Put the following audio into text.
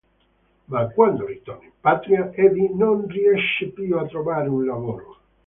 Ma, quando ritorna in patria, Eddie non riesce più a trovare un lavoro.